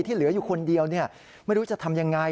เหลืออยู่คนเดียวไม่รู้จะทำยังไง